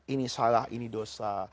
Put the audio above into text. ini salah ini dosa